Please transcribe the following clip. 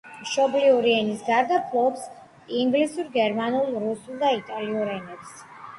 მშობლიური ენის გარდა ფლობს: ინგლისურ, გერმანულ, რუსულ და იტალიურ ენებს.